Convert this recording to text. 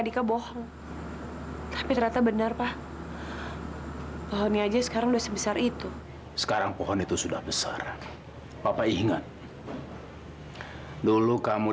nanti gua jalan dulu